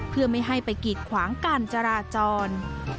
เพื่อไม่ให้ไปกีดขวางการจราจร